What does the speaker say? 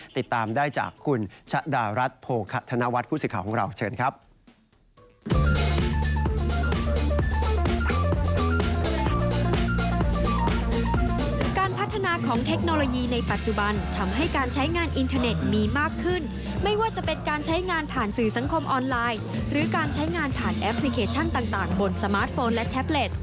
ติดตามได้จากคุณชะดารัฐโภคะธนวัฒน์ผู้สื่อข่าวของเราเชิญครับ